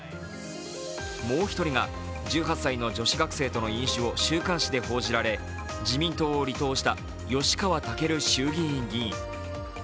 もう１人が、１８歳の女子学生との飲酒を週刊誌で報じられ自民党を離党した吉川赳衆議院議員。